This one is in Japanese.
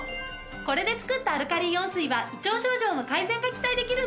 これで作ったアルカリイオン水は胃腸症状の改善が期待できるんだって。